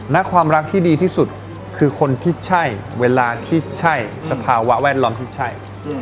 และความรักที่ดีที่สุดคือคนที่ใช่เวลาที่ใช่สภาวะแวดล้อมที่ใช่